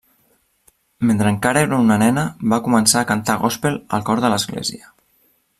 Mentre encara era una nena, va començar a cantar gòspel al cor de l'església.